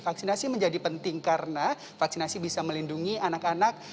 vaksinasi menjadi penting karena vaksinasi bisa melindungi anak anak